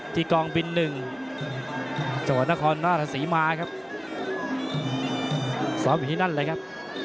ที่กองบิน๑จรวนคลนาฬสีม้าครับซ้อมอยู่ที่นั่นแหละครับ